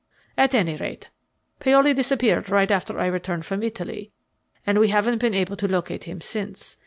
At any rate, Paoli disappeared right after I returned from Italy, and we haven't been able to locate him since.